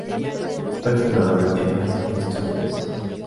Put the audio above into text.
Fue el fundador de Texas Instruments.